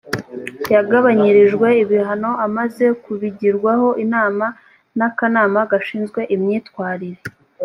yagabanyirijwe ibihano amaze kubigirwaho inama n ‘akanama gashinzwe imyitwarire.